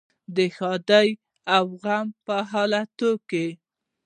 د ښادۍ او غم په حالاتو کې.